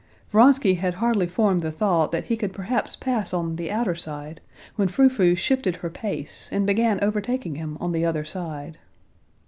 Vronsky had hardly formed the thought that he could perhaps pass on the outer side, when Frou Frou shifted her pace and began overtaking him on the other side.